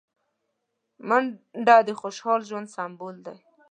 منډه د خوشحال ژوند سمبول دی